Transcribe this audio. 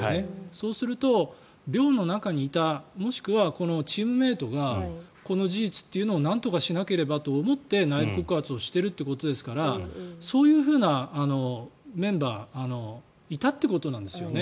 そうすると、寮の中にいたもしくはチームメートがこの事実っていうのを何とかしなければと思って内部告発をしているということですからそういうふうなメンバーがいたということなんですよね。